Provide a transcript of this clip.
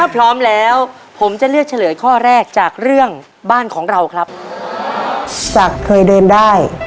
พร้อมครับค่ะ